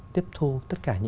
tiếp thu tất cả những người